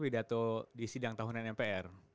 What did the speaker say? bidato di sidang tahun npr